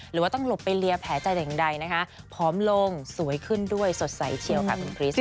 หรือว่าต้องหลบไปเลียแผลใจแต่อย่างใดนะคะผอมลงสวยขึ้นด้วยสดใสเชียวค่ะคุณคริส